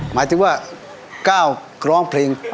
หมายถึงว่าก้าวร้องเพลง